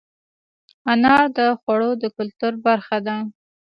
انار د خوړو د کلتور برخه ده.